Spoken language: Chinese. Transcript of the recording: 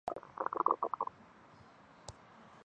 本游戏根据著名的日本桃太郎传说进行改编。